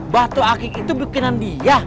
batu akik itu bikinan dia